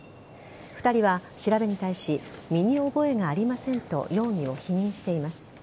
２人は調べに対し身に覚えがありませんと容疑を否認しています。